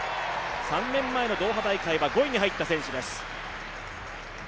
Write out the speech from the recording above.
３年前のドーハ大会は５位に入った選手です。